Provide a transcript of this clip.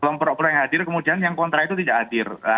kelompok kelompok yang hadir kemudian yang kontra itu tidak hadir